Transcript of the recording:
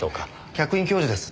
客員教授です。